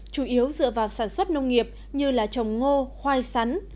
chủ yếu dựa vào sản xuất nông nghiệp như là trồng ngô khoai sắn